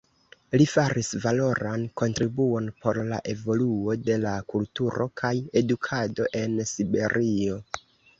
Li faris valoran kontribuon por la evoluo de la kulturo kaj edukado en Siberio.